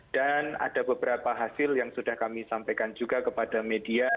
dan ada beberapa hasil yang sudah kami sampaikan juga kepada media